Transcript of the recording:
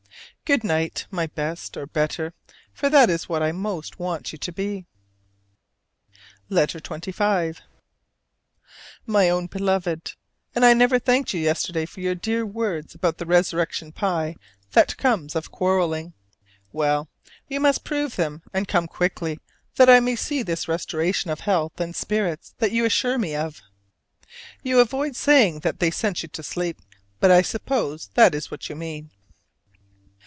Good night, my best or "better," for that is what I most want you to be. LETTER XXV. My Own Beloved: And I never thanked you yesterday for your dear words about the resurrection pie; that comes of quarreling! Well, you must prove them and come quickly that I may see this restoration of health and spirits that you assure me of. You avoid saying that they sent you to sleep; but I suppose that is what you mean.